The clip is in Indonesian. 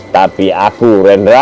tapi aku rendra